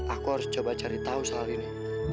aku harus coba cari tahu soal ini